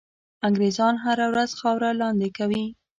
انګرېزان هره ورځ خاوره لاندي کوي.